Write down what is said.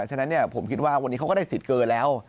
ฉะนั้นผมคิดว่าวันนี้เขาก็ได้สิทธิ์เกินแล้ว